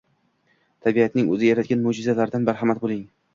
Tabiatning o‘zi yaratgan mo‘jizalardan bahramand bo‘ling